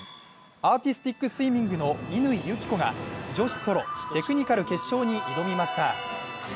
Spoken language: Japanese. アーティスティックスイミングの乾友紀子が女子ソロ・テクニカル決勝に挑みました。